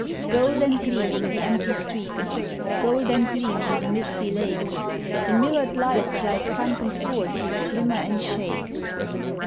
Gold and gleaming the empty streets, Gold and gleaming the misty lake, The mirrored lights like sunken swords, Glimmer and shake.